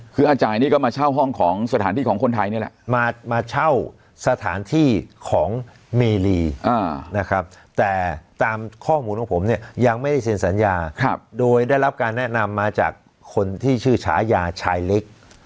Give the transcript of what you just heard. คืออาจ่ายนี่ก็มาเช่าห้องของสถานที่ของคนไทยนี่แหละมาเช่าสถานที่ของเมรีนะครับแต่ตามข้อมูลของผมเนี่ยยังไม่ได้เซ็นสัญญาโดยได้รับการแนะนำมาจากคนที่ชื่อฉายาชายเล็ก